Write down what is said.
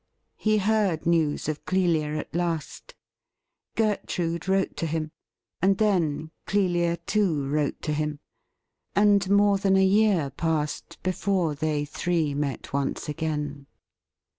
He heard news of Clelia at last. Gertrude wrote to him, and then Clelia, too, wrote to him — and more than a year passed before they three met once again.